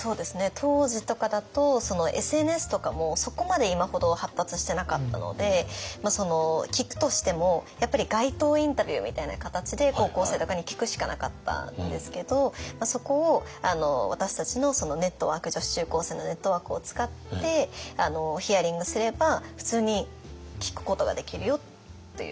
当時とかだとＳＮＳとかもそこまで今ほど発達してなかったので聞くとしてもやっぱり街頭インタビューみたいな形で高校生とかに聞くしかなかったんですけどそこを私たちの女子中高生のネットワークを使ってヒアリングすれば普通に聞くことができるよっていうような感じ。